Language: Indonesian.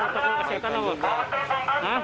protokol kesehatan apa